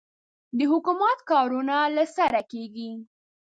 د حکومت کارونه له سره کېږي.